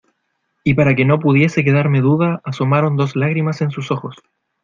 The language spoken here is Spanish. y para que no pudiese quedarme duda, asomaron dos lágrimas en sus ojos.